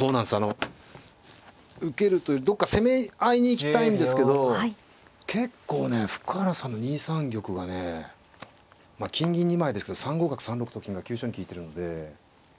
あの受けるというよりどっか攻め合いに行きたいんですけど結構ね深浦さんの２三玉がねまあ金銀２枚ですけど３五角３六と金が急所に利いてるんで。